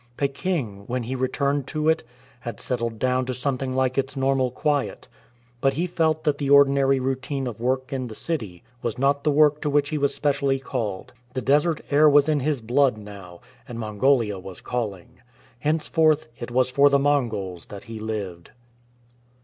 Peking, when he returned to it, had settled doAvn to something like its normal quiet, but he felt that the ordinary routine of work in the city was not the work to which he was specially called. The desert air was in his blood now, and Mongolia was calling. Henceforth it was for the Mongols that he lived.